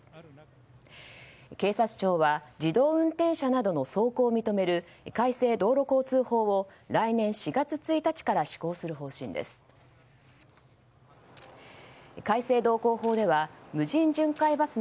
警察庁は自動運転車などの走行を認める改正道路交通法を来年４月１日から施行する方針です。